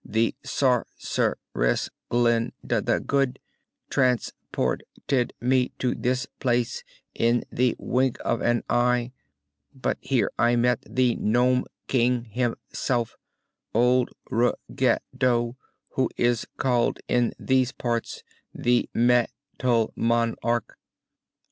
The Sor cer ess, Glin da the Good, trans port ed me to this place in the wink of an eye; but here I met the Nome King him self old Rug ge do, who is called in these parts the Met al Mon arch.